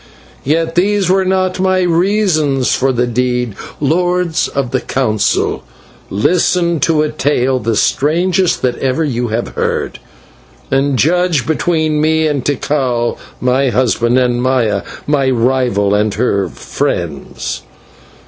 Yet these were not my reasons for the deed. Lords of the Council, listen to a tale, the strangest that ever you have heard, and judge between me and Tikal, my husband, and Maya, my rival, and her friends.